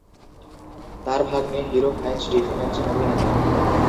তার ভাগ্নে Hero Fiennes Tiffin একজন অভিনেতা।